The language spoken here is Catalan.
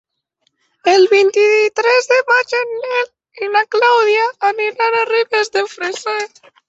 El vint-i-tres de maig en Nel i na Clàudia aniran a Ribes de Freser.